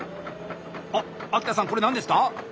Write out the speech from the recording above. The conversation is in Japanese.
おっ秋田さんこれ何ですか？